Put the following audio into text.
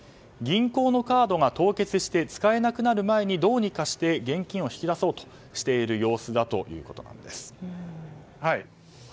銀行のカードが凍結して使えなくなる前にどうにかして現金を引き出そうとしている様子だということなんです。